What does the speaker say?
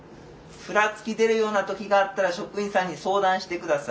ふらつき出るような時があったら職員さんに相談して下さい。